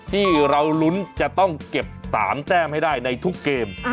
ที่เราลุ้นจะต้องเก็บ๓แต้มให้ได้ในทุกเกม